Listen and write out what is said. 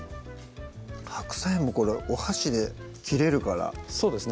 白菜もこれお箸で切れるからそうですね